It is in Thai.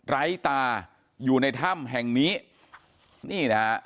ไร้ตาอยู่ในถ้ำแห่งนี้